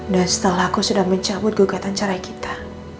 dan setelah aku sudah mencabut gugatan cerai kita